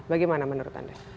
bagaimana menurut anda